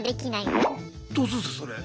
どうするんですかそれ。